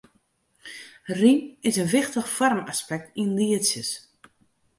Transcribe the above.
Rym is in wichtich foarmaspekt yn lietsjes.